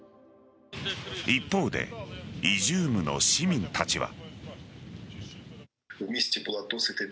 一方でイジュームの市民たちは。